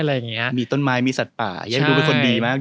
อะไรอย่างเงี้ยมีต้นไม้มีสัตว์ป่ายายดูเป็นคนดีมาก